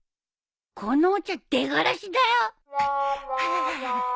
このお茶出がらしだよ。ハァ。